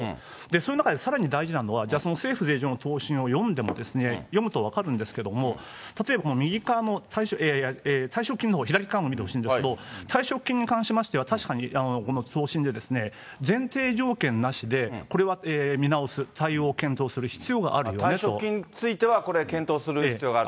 その中で、さらに大事なのは、じゃあその政府税調の答申を読んでも、読むと分かるんですけど、例えばこの右側の退職金のところ、左側のところ見てほしいんですけど、退職金に関しましては、確かにこの答申で、前提条件なしでこれは見直す、退職金についてはこれ、検討する必要があると。